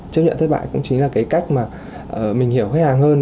chấp nhận thất bại cũng chính là cái cách mà mình hiểu khách hàng hơn